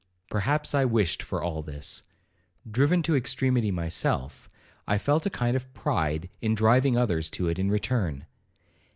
Perhaps I wished for all this. Driven to extremity myself, I felt a kind of pride in driving others to it in return.